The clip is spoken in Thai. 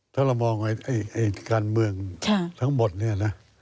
ถ้าเรามองการเมืองทั้งหมดเนี่ยนะ